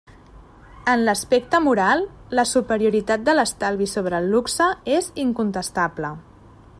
En l'aspecte moral, la superioritat de l'estalvi sobre el luxe és incontestable.